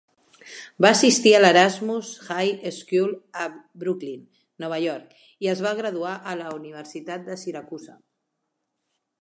Va assistir a l'Erasmus High School a Brooklyn, Nova York i es va graduar a la Universitat de Syracuse.